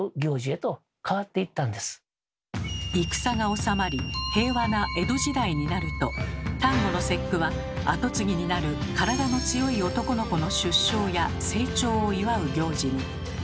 戦がおさまり平和な江戸時代になると端午の節句は跡継ぎになる体の強い男の子の出生や成長を祝う行事に。